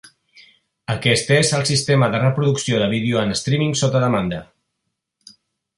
Aquest és el sistema de reproducció de vídeo en streaming sota demanda.